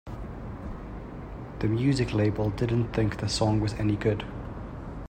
The music label didn't think the song was any good.